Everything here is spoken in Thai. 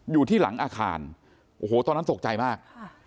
อยู่ที่หลังอาคารโอ้โหตอนนั้นตกใจมาก